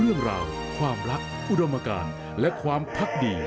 ด้วยงานนานร้ายหมดสมัยเมื่อนานบรรดู